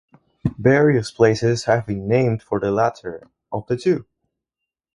Various places have been named for the latter of the two.